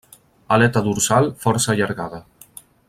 Aleta dorsal força allargada.